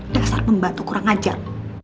dasar pembantu kurang ajar